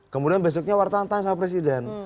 kemudian besoknya wartan tantan sama presiden